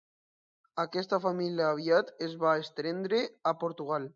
Aquesta família aviat es va estendre a Portugal.